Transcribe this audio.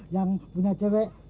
yang punya cewek